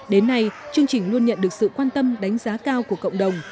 đến nay chương trình luôn nhận được sự quan tâm đánh giá cao của cộng đồng